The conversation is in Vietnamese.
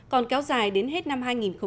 còn kéo dài đến hết năm hai nghìn hai mươi